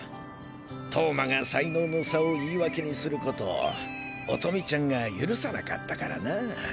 投馬が才能の差を言い訳にすることを音美ちゃんが許さなかったからな。